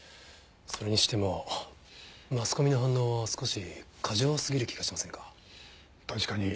それにしてもマスコミの反応は少し過剰すぎる気がしませんか？